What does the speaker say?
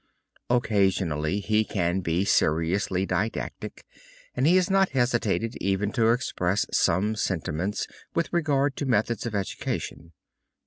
Occasionally he can be seriously didactic and he has not hesitated even to express some sentiments with regard to methods of education.